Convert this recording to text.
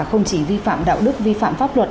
không chỉ vi phạm đạo đức vi phạm pháp luật